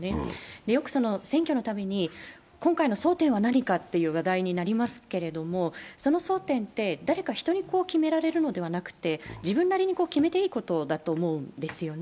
よく選挙のたびに今回の争点は何かという話題になりますが、その争点って、人に決められるのではなくて自分なりに決めていいことだと思うんですね。